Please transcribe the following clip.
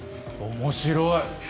面白い！